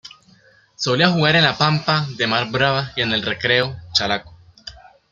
Solía jugar en la Pampa de Mar Brava y en el Recreo Chalaco.